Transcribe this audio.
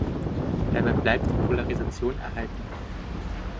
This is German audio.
Dabei bleibt die Polarisation erhalten.